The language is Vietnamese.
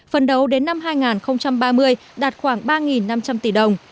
phần đầu đến năm hai nghìn ba mươi đạt khoảng ba năm trăm linh tỷ đồng